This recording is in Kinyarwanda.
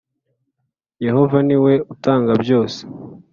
Yehova ni we utanga byose